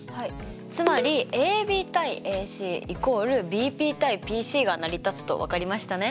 つまりＡＢ：ＡＣ＝ＢＰ：ＰＣが成り立つと分かりましたね！